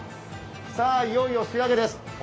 さあ、いよいよ仕上げです。